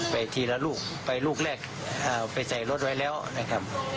ไปทีละลูกไปลูกแรกไปใส่รถไว้แล้วนะครับ